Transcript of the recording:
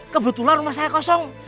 kebetulan rumah saya kosong